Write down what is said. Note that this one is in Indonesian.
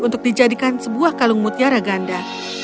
untuk dijadikan sebuah kalung mutiara ganda